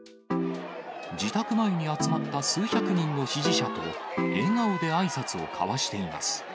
自宅前に集まった数百人の支持者と、笑顔であいさつを交わしています。